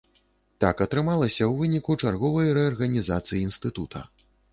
Так атрымалася ў выніку чарговай рэарганізацыі інстытута.